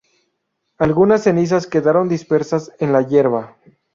Algunas cenizas quedaron dispersas en la hierba.